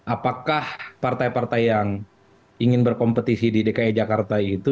apakah partai partai yang ingin berkompetisi di dki jakarta itu